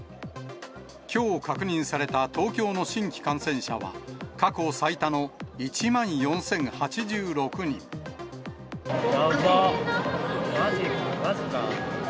きょう確認された東京の新規感染者は、過去最多の１万４０８６人。やば、まじか。